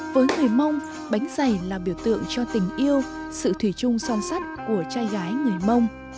với người mông bánh dày là biểu tượng cho tình yêu sự thủy chung son sắt của trai gái người mông